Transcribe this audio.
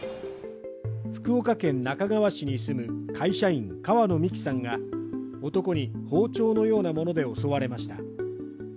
福岡県那珂川市に住む会社員、川野三樹さんが男に包丁のようなもので襲われました。